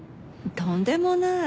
とんでもない。